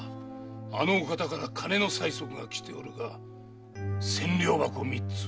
あのお方から金の催促が来ておるが千両箱三つはまだか？